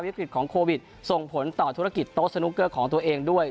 วิกฤตของโควิดส่งผลต่อธุรกิจโต๊ะสนุกเกอร์ของตัวเองด้วย